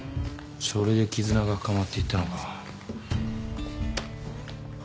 それで絆が深まっていったのか。